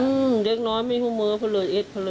อืมเด็กน้อยไม่ฮุมเมอเพลิดเอ็ดเผลอ